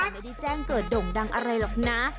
ไม่ได้แจ้งเกิดด่งดังอะไรหรอกนะ